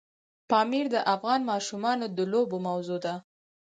پامیر د افغان ماشومانو د لوبو موضوع ده.